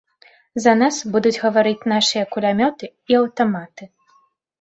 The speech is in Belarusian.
За нас будуць гаварыць нашыя кулямёты і аўтаматы.